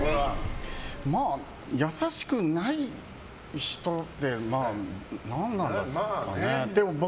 優しくない人って何なんですかねって。